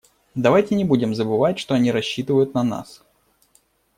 Давайте не будем забывать, что они рассчитывают на нас.